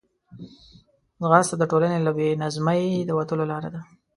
ځغاسته د ټولنې له بې نظمۍ د وتلو لار ده